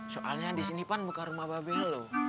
soalnya di sini kan bukan rumah mbak be lo